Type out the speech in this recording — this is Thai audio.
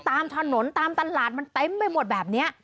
ตามถนนตามตลาดมันเต็มไปหมดแบบนี้